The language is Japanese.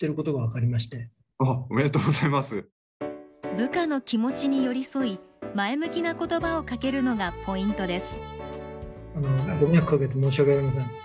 部下の気持ちに寄り添い前向きな言葉をかけるのがポイントです。